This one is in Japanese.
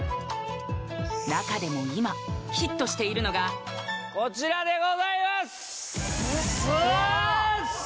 中でも今ヒットしているのがこちらでございますザーン！